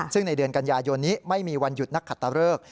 ซึ่งในเดือนกันยายนนี้ไม่มีวันหยุดนักขัตตะเริก